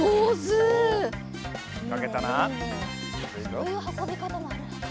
そういうはこびかたもあるんだ。